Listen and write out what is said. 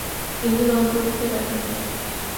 একজন আহত অফিসার রয়েছেন গাড়িতে।